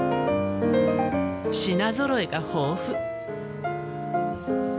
品ぞろえが豊富。